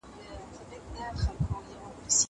زه اجازه لرم چي مځکي ته وګورم!